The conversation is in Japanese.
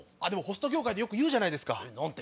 ホスト業界でよく言うじゃないですか。